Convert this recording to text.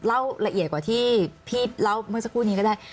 เล่าละเอียดกว่าที่พี่เล่าเมื่อสักครู่นี้ก็ได้